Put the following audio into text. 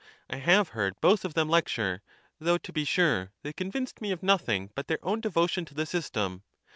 1 have heard both of them lecture, though to be sure they convinced n»e of nothing but their own devotion to the system.